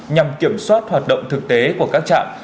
nhằm kiểm soát hoạt động thực tế của các trạm